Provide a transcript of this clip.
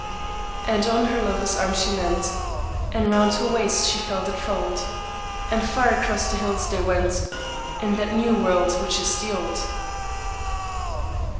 "And on her lover's arm she leant, And round her waist she felt it fold, And far across the hills they went In that new world which is the old."